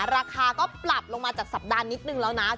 ราคาก็ปรับลงมาจากสัปดาห์นิดนึงแล้วนะ